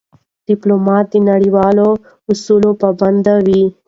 ډيپلومات د نړیوالو اصولو پابند وي.